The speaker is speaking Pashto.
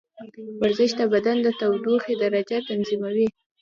ورزش د بدن د تودوخې درجه تنظیموي.